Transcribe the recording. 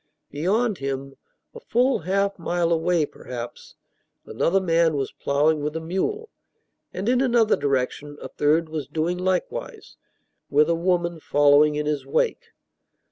Beyond him a full half mile away, perhaps another man was ploughing with a mule; and in another direction a third was doing likewise, with a woman following in his wake.